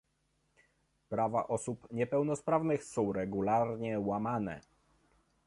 Prawa osób niepełnosprawnych są regularnie łamane